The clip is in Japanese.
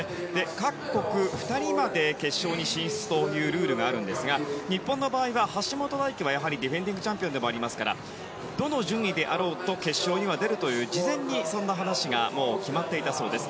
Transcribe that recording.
各国２人まで決勝に進出というルールがあるんですが日本の場合は橋本大輝はやはりディフェンディングチャンピオンでありますからどの順位であろうと決勝には出るという事前にそんな話が決まっていたそうです。